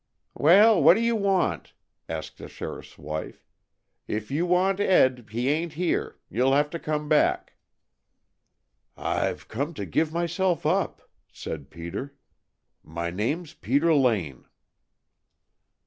"Well, what do you want?" asked the sheriff's wife. "If you want Ed, he ain't here. You'll have to come back." "I've come to give myself up," said Peter. "My name's Peter Lane."